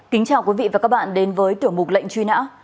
kính chào quý vị và các bạn đến với tiểu mục lệnh truy nã